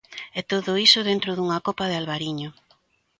E todo iso dentro dunha copa de Albariño.